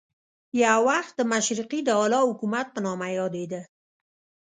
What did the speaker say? یو وخت د مشرقي د اعلی حکومت په نامه یادېده.